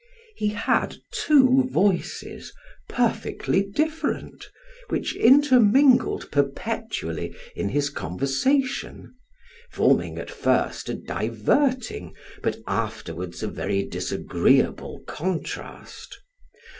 He had two voices, perfectly different, which intermingled perpetually in his conversation, forming at first a diverting, but afterwards a very disagreeable contrast.